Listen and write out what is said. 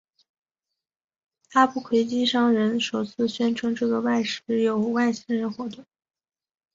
阿布奎基商人首次宣称在这个设施有外星人活动。